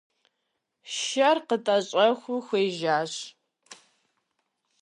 Шэр къытӀэщӀэухэу хуежьащ.